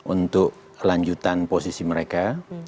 untuk lanjutan posisi mereka